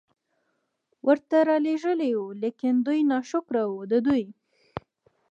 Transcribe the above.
ورته را ليږلي وو، ليکن دوی ناشکره وو، د دوی